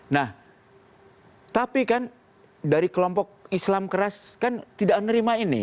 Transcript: nah tapi kan dari kelompok islam keras kan tidak menerima ini